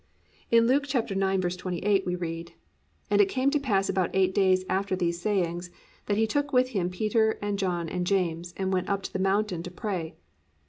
In Luke 9:28 we read, +"And it came to pass about eight days after these sayings, that he took with him Peter and John and James, and went up into the mountain to pray."